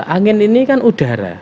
angin ini kan udara